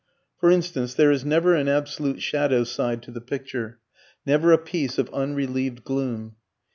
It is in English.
For instance, there is never an absolute shadow side to the picture, never a piece of unrelieved gloom.